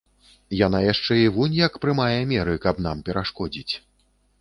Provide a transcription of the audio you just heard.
Яна яшчэ і вунь як прымае меры, каб нам перашкодзіць.